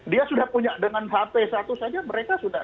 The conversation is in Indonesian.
dia sudah punya dengan hp satu saja mereka sudah